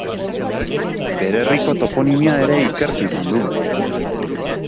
Bere herriko toponimia ere ikertu izan du.